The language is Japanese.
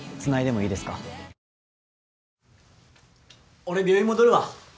俺病院戻るわ。